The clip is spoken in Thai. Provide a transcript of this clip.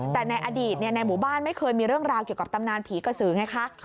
แต่ในอดีตในหมู่บ้านไม่เคยมีเรื่องราวเกี่ยวกับตำนานผีกระสือไงคะ